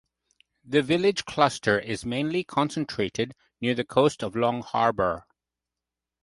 The village cluster is mainly concentrated near the coast of Long Harbour.